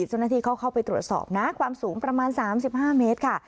เจ้าหน้าที่เขาเข้าไปตรวจสอบนะความสูงประมาณ๓๕เมตรค่ะ